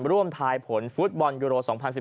ทายผลฟุตบอลยูโร๒๐๑๘